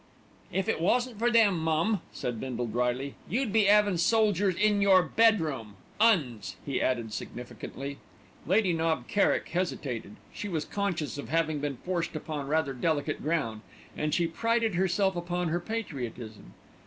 "If it wasn't for them, mum," said Bindle dryly, "you'd be 'avin' soldiers in your bedroom 'Uns," he added significantly. Lady Knob Kerrick hesitated. She was conscious of having been forced upon rather delicate ground, and she prided herself upon her patriotism.